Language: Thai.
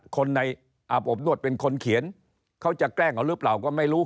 คนในอาบอบนวดเป็นคนเขียนเขาจะแกล้งเอาหรือเปล่าก็ไม่รู้